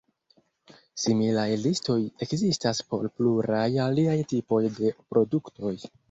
Similaj listoj ekzistas por pluraj aliaj tipoj de produktoj.